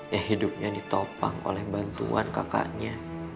ya hidupnya ditopang oleh bantuan kakaknya